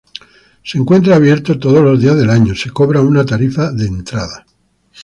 Se encuentra abierto todos los días del año, se cobra una tarifa de entrada.